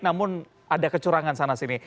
namun ada kecurangan sana sini